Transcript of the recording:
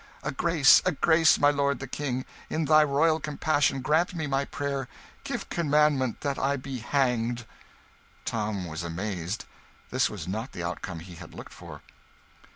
A grace, a grace, my lord the King! in thy royal compassion grant my prayer give commandment that I be hanged!" Tom was amazed. This was not the outcome he had looked for.